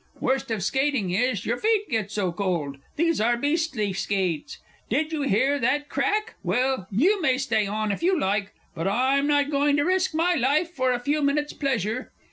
Worst of skating is, your feet get so cold!... These are beastly skates. Did you hear that crack? Well, you may stay on if you like, but I'm not going to risk my life for a few minutes' pleasure!